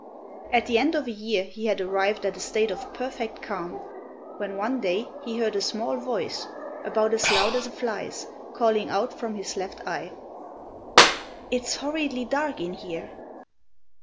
At the end of a year he had arrived at a state of perfect calm, when one day he heard a small voice, about as loud as a fly's, calling out from his left eye: "It's horridly dark in here."